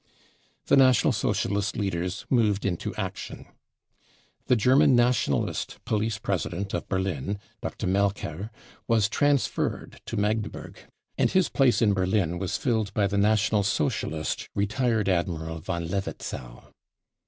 The National Socialist leaders moved into action. The German Nationalist police president of Berlin, Dr. Melcher, was transferred to Magdeburg, and his place in Berlin was filled by the National Socialist retired Admiral von Levetzow.